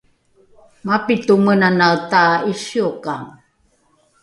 mapito menanae ta’isiokang